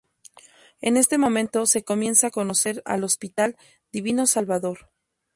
En este momento se comienza a conocer al hospital: Divino Salvador.